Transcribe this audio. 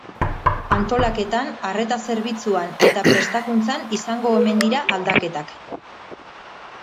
Antolaketan, arreta zerbitzuan eta prestakuntzan izango omen dira aldaketak.